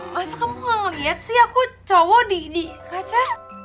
masa kamu ngeliat sih aku cowok di kaca